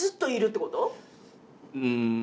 うん。